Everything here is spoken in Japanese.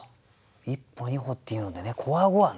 「一歩二歩」っていうのでねこわごわね。